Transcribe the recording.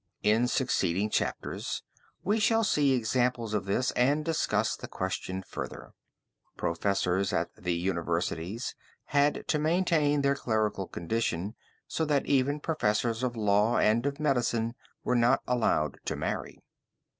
In succeeding chapters we shall see examples of this and discuss the question further. Professors at the universities had to maintain their clerical condition so that even professors of law and of medicine were not allowed to marry.